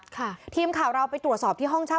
ทีมข่าวเราไปตรวจสอบที่ห้องเช่า